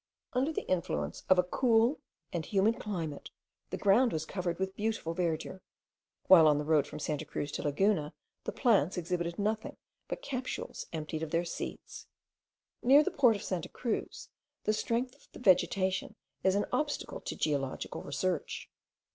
Under the influence of a cool and humid climate, the ground was covered with beautiful verdure; while on the road from Santa Cruz to Laguna the plants exhibited nothing but capsules emptied of their seeds. Near the port of Santa Cruz, the strength of the vegetation is an obstacle to geological research.